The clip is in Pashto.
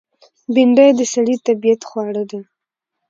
بېنډۍ د سړي طبیعت خوړه ده